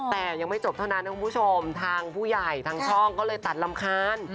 แต่ยังไม่จบเท่านั้นนะคุณผู้ชมทางผู้ใหญ่ทางช่องก็เลยตัดลำคาญ